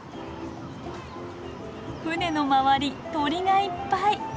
船の周り鳥がいっぱい！